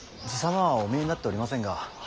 爺様はお見えになっておりませんが。